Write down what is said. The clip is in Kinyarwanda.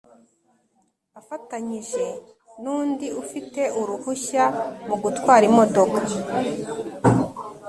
afatanyije n undi ufite uruhushya mu gutwara imodoka